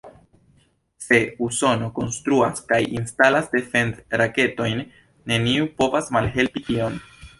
Se Usono konstruas kaj instalas defend-raketojn, neniu povas malhelpi tion.